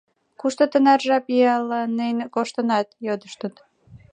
— Кушто тынар жап ияланен коштынат? — йодыштыт.